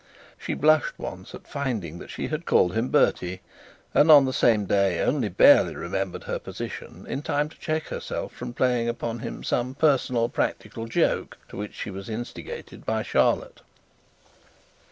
She blushed once at finding that she had called him Bertie, and on the same day only barely remembered her position in time to check herself from playing upon him some personal practical joke to which she was instigated by Charlotte.